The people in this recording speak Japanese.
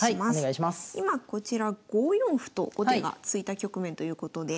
今こちら５四歩と後手が突いた局面ということで。